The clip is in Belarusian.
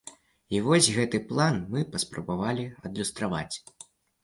І вось гэты план мы паспрабавалі адлюстраваць.